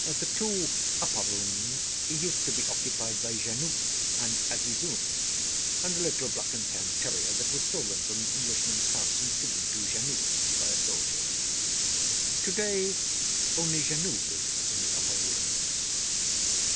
The two upper rooms used to be occupied by Janoo and Azizun and a little black and tan terrier that was stolen from an Englishman's house and given to Janoo by a soldier. To day, only Janoo lives in the upper rooms.